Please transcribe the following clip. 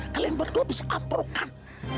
kalian berdua bisa ampuhkan